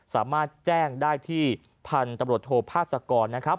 สามารถแจ้งได้ที่พันธุ์ตำรวจโทพาสกรนะครับ